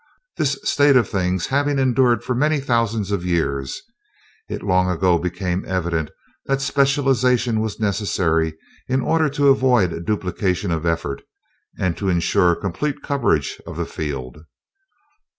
This state of things having endured for many thousands of years, it long ago became evident that specialization was necessary in order to avoid duplication of effort and to insure complete coverage of the field.